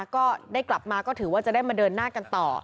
ก็ได้กลับมาก็ถือว่าจะได้มาเดินหน้ากันต่อ